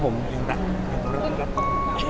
ชีวิตคุณพ่อเป็นยังไงบ้างครับผม